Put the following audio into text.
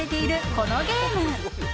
このゲーム。